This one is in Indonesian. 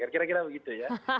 kira kira begitu ya